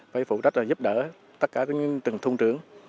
phải phụ trách là giúp đỡ tất cả những từng thôn trưởng